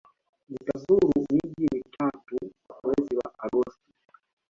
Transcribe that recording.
Nitazuru miji mitatu mwezi wa Agosti.